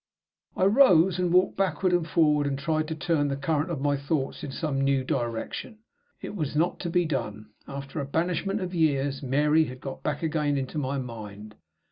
I rose and walked backward and forward, and tried to turn the current of my thoughts in some new direction. It was not to be done. After a banishment of years, Mary had got back again into my mind.